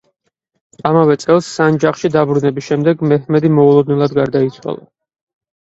ამავე წელს, სანჯაყში დაბრუნების შემდეგ, მეჰმედი მოულოდნელად გარდაიცვალა.